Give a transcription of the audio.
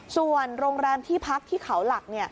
ส่วนโรงแรมที่พักที่เขาหลัก